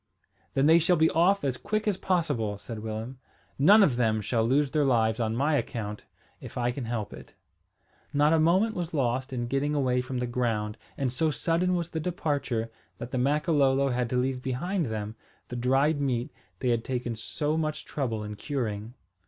"Then they shall be off as quick as possible," said Willem. "None of them shall lose their lives on my account, if I can help it." Not a moment was lost in getting away from the ground and so sudden was the departure that the Makololo had to leave behind them the dried meat they had taken so much trouble in curing.